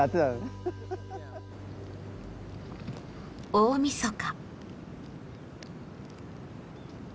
大みそか。